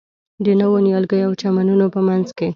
د نویو نیالګیو او چمنونو په منځ کې.